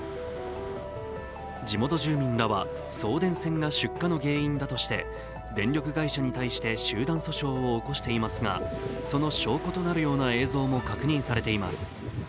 地元住民らは送電線が出火の原因だとして、電力会社に対して集団訴訟を起こしていますがその証拠となるような映像も確認されています